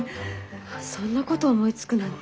そんなこと思いつくなんて。